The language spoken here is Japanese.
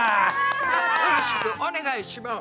よろしくお願いします！